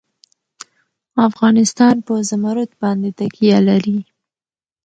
افغانستان په زمرد باندې تکیه لري.